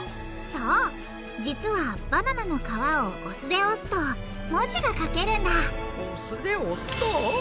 そう実はバナナの皮をお酢で押すと文字が書けるんだお酢で押すと？